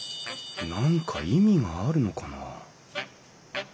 何か意味があるのかな？